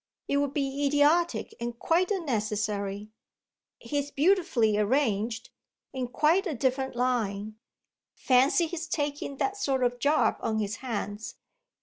"It would be idiotic and quite unnecessary. He's beautifully arranged in quite a different line. Fancy his taking that sort of job on his hands!